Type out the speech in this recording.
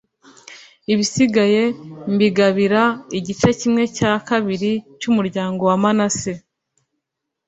ibisigaye mbigabira igice kimwe cya kabiri cy’umuryango wa manase.